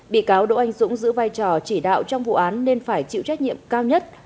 bị cáo đỗ anh dũng giữ vai trò chỉ đạo trong vụ án nên phải chịu trách nhiệm cao nhất